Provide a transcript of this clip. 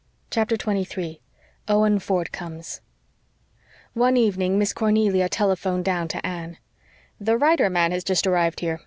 CHAPTER 23 OWEN FORD COMES One evening Miss Cornelia telephoned down to Anne. "The writer man has just arrived here.